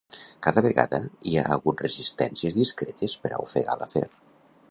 Cada vegada hi ha hagut resistències discretes per a ofegar l'afer.